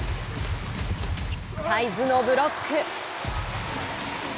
サイズのブロック。